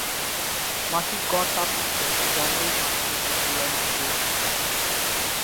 মাসিক গড় তাপমাত্রা জানুয়ারি মাসে থেকে জুলাই মাসে হয়ে থাকে।